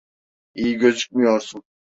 İyi gözükmüyorsun.